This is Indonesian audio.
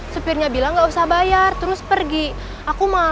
sepirnya bilang gak usah bayar terus pergi aku malu